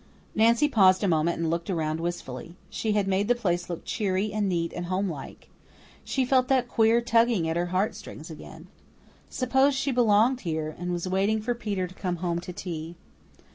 Nancy paused a moment and looked around wistfully. She had made the place look cheery and neat and homelike. She felt that queer tugging at her heart strings again. Suppose she belonged here, and was waiting for Peter to come home to tea.